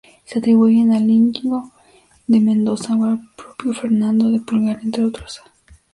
Se atribuyen a Íñigo de Mendoza o al propio Hernando de Pulgar, entre otros.